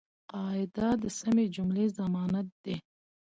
قاعده د سمي جملې ضمانت دئ.